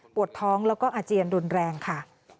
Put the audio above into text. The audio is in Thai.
ปวดท้องแล้วก็อาเจียนรุนแรงค่ะ